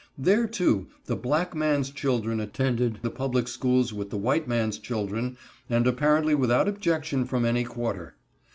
There, too, the black man's children attended the public schools with the white man's children, and apparently without objection from any quarter.